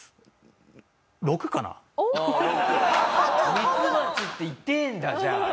ミツバチって痛えんだじゃあ。